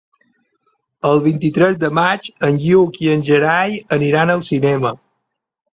El vint-i-tres de maig en Lluc i en Gerai aniran al cinema.